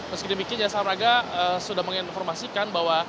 meski demikian jasa marga sudah menginformasikan bahwa